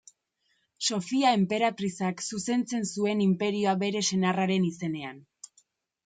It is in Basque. Sofia enperatrizak zuzentzen zuen inperioa bere senarraren izenean.